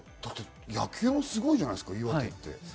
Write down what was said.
野球もすごいじゃないですか、岩手って。